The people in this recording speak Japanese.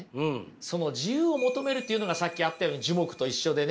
その自由を求めるっていうのがさっきあったように樹木と一緒でね